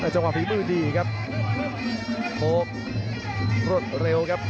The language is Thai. จังหวะฝีมือดีครับโค้งรวดเร็วครับ